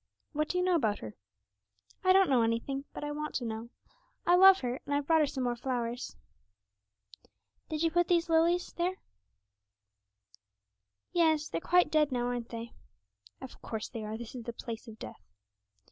'What do you know about her?' 'I don't know anything, but I want to know. I love her, and I've brought her some more flowers.' 'Did you put these lilies here?' 'Yes; they're quite dead now, aren't they?' 'Of course they are; this is the place of death.'